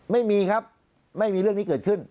ไม่มีครับไม่มีเรื่องนี้เกิดขึ้น